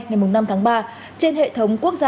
ngày năm tháng ba